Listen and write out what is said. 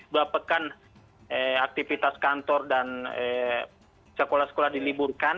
berapa pekan aktivitas kantor dan sekolah sekolah diliburkan